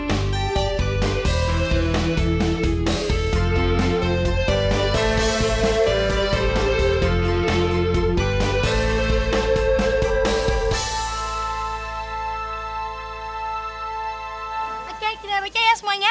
oke kita bekerja ya semuanya